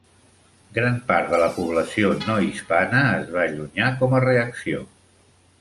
Gran part de la població no hispana es va allunyar com a reacció.